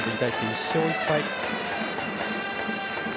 １勝１敗。